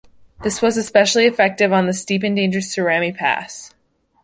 This was especially effective on the steep and dangerous Surami Pass.